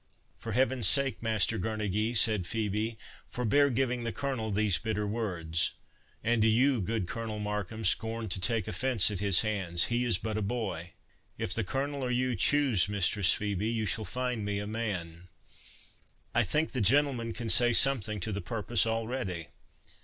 "For Heaven's sake, Master Girnegy," said Phœbe, "forbear giving the Colonel these bitter words! And do you, good Colonel Markham, scorn to take offence at his hands—he is but a boy." "If the Colonel or you choose, Mistress Phœbe, you shall find me a man—I think the gentleman can say something to the purpose already.